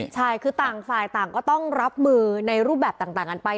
ใช่คือต่างฝ่ายต่างก็ต้องรับมือในรูปแบบต่างกันไป